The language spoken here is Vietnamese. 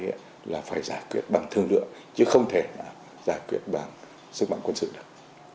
ấy là phải giải quyết bằng thương lượng chứ không thể là giải quyết bằng sức mạnh quân sự được